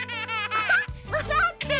わらってる。